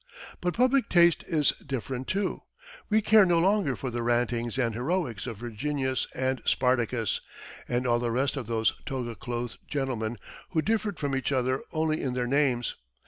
But public taste is different too. We care no longer for the rantings and heroics of Virginius and Spartacus and all the rest of those toga clothed gentlemen who differed from each other only in their names.